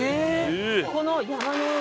この山の上。